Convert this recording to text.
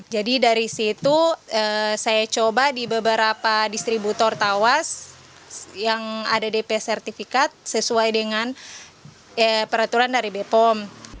jadi dari situ saya coba di beberapa distributor tawas yang ada dp sertifikat sesuai dengan peraturan dari bpom